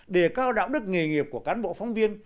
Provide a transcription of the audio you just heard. để cao đạo đức nghề nghiệp của cán bộ phóng viên